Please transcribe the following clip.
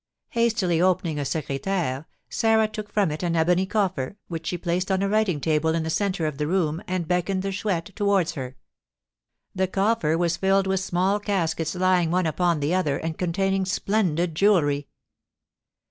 Hastily opening a secrétaire, Sarah took from it an ebony coffer, which she placed on a writing table in the centre of the room, and beckoned the Chouette towards her. The coffer was filled with small caskets lying one upon the other, and containing splendid jewelry.